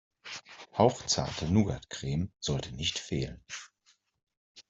Hauchzarte Nougatcreme sollte nicht fehlen.